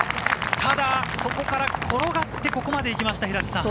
ただ、そこから転がって、ここまで行きました。